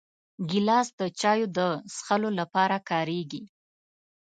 ګیلاس د چایو د څښلو لپاره کارېږي.